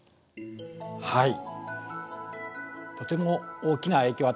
はい。